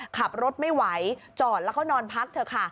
ขับรถไม่ไหวจอดแล้วก็นอนพักเถอะค่ะ